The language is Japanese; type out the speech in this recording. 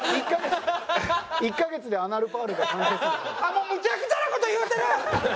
もうむちゃくちゃな事言うてる！